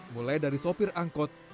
mulai dari sopir angkot